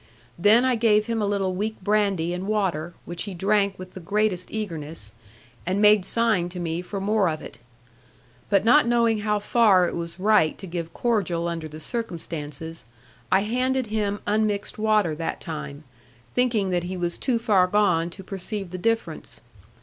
Then I gave him a little weak brandy and water, which he drank with the greatest eagerness, and made sign to me for more of it. But not knowing how far it was right to give cordial under the circumstances, I handed him unmixed water that time; thinking that he was too far gone to perceive the difference.